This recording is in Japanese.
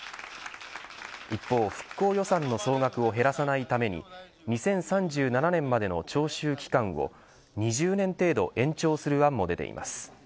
一方、復興予算の増額を減らさないために２０３７年までの徴収期間を２０年程度延長する案も出ています。